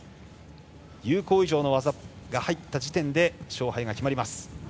有効以上の技が入った時点で勝敗が決まります。